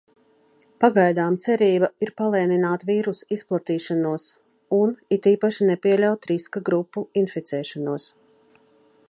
Pagaidām cerība ir palēnināt vīrusa izplatīšanos un it īpaši nepieļaut riska grupu inficēšanos.